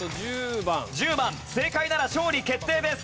正解なら勝利決定です。